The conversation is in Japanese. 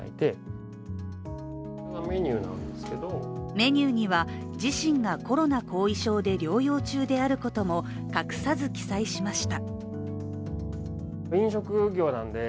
メニューには、自身がコロナ後遺症で療養中であることも隠さず記載しました。